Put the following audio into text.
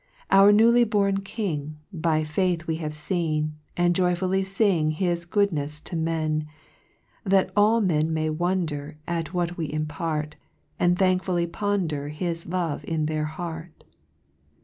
3 Our newly born King, By faith we have feen, And joyfully fing His goodnefs to men, That all men may wonder At what we impart, And thankfully ponder His love in their heart.